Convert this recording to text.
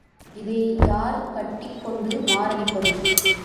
இதை யார் கட்டிக்கொண்டு மாரடிப்பது?